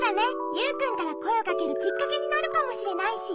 ユウくんからこえをかけるきっかけになるかもしれないし。